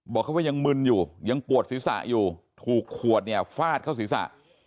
เขาว่ายังมึนอยู่ยังปวดศีรษะอยู่ถูกขวดเนี่ยฟาดเข้าศีรษะ